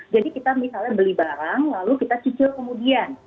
jadi kita misalnya beli barang lalu kita cicil kemudian